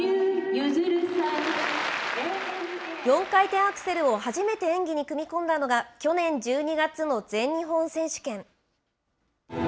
４回転アクセルを初めて演技に組み込んだのが、去年１２月の全日本選手権。